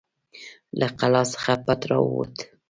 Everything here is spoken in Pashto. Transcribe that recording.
له قلا څخه پټ راووت.